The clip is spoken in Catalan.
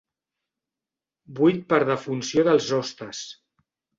Buit per defunció dels hostes.